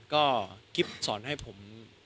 ก็กิ๊บสอนให้ผม